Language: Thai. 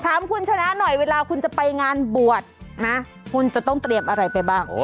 ถามคุณชนะหน่อยเวลาคุณจะไปงานบวชนะคุณจะต้องเตรียมอะไรไปบ้าง